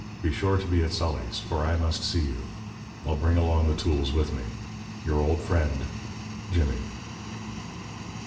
Be sure to be at Sully's, for I must see you. I'll bring along the tools with me. Your old friend, JIMMY.